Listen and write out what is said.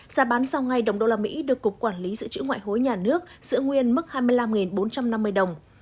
giá bán sau ngày đồng đô la mỹ được cục quản lý dự trữ ngoại hối nhà nước giữ nguyên mức hai mươi năm bốn trăm năm mươi đồng